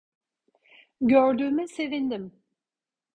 Gördüğüme sevindim.